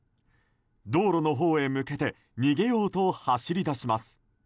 道路のほうへ向けて逃げようと走り出します。